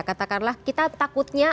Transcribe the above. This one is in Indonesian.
katakanlah kita takutnya